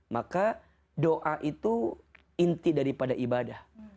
maka doa itu inti daripada ibadah